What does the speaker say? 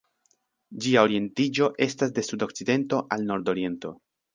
Ĝia orientiĝo estas de sudokcidento al nordoriento.